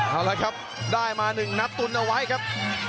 เอาละครับได้มา๑นัดตุนเอาไว้ครับ